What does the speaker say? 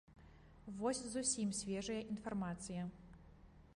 Вось зусім свежая інфармацыя.